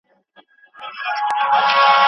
ملګرو لار بدله کړی کاروان په باورنه دی